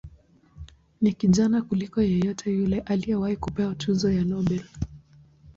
Ni kijana kuliko yeyote yule aliyewahi kupewa tuzo ya Nobel.